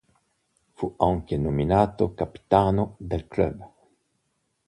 Fu anche nominato capitano del club.